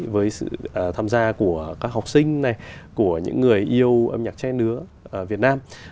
với sự tham gia của các học sinh này của những người yêu âm nhạc che nứa